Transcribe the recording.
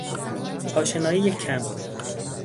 آشنایی کم